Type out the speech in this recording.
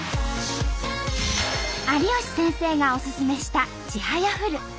有吉先生がおすすめした「ちはやふる」。